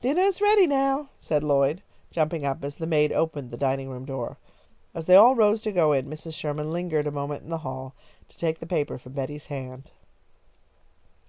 "Dinner is ready now," said Lloyd, jumping up as the maid opened the dining room door. As they all rose to go in, Mrs. Sherman lingered a moment in the hall, to take the paper from Betty's hand.